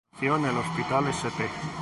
Nació en el hospital St.